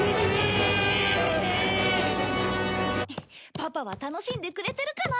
パパは楽しんでくれてるかな？